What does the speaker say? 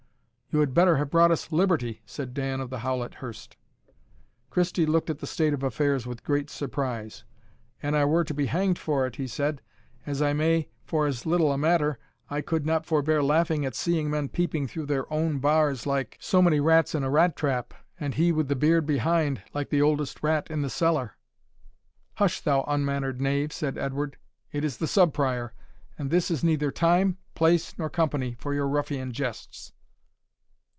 "You had better have brought us liberty," said Dan of the Howlet hirst. Christie looked at the state of affairs with great surprise. "An I were to be hanged for it," he said, "as I may for as little a matter, I could not forbear laughing at seeing men peeping through their own bars like so many rats in a rat trap, and he with the beard behind, like the oldest rat in the cellar." "Hush, thou unmannered knave," said Edward, "it is the Sub Prior; and this is neither time, place, nor company, for your ruffian jests."